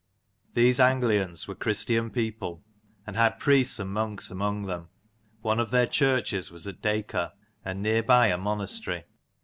These Anglians were Christian people, and had priests and monks among them. One of their churches was at Dacor; and near by, a 55 monastery.